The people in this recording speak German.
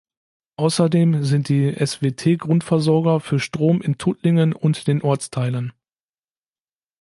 Außerdem sind die swt Grundversorger für Strom in Tuttlingen und den Ortsteilen.